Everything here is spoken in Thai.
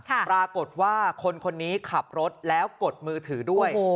ปรากฏว่าคนคนนี้ขับรถแล้วกดมือถือด้วย